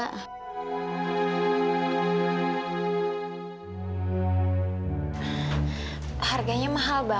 kak kalau bisa jangan yang mahal mahal ya